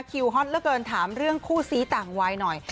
คิวฮร์ดเรื่องขู้สีต่างวายหน่อย